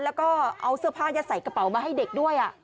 แล้วก็เอาเสื้อผ้ายัดใส่กระเป๋ามาให้เด็กด้วย